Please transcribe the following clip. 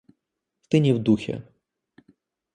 Ты не в духе.